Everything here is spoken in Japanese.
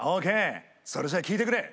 それじゃ聴いてくれ！